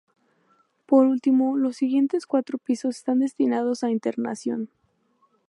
Por último, los siguientes cuatro pisos están destinados a internación.